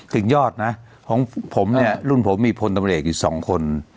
ถึงยอดนะของผมเนี่ยรุ่นผมมีพลตำรวจเอกอยู่สองคน